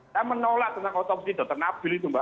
saya menolak otopsi dokter nabil itu mbak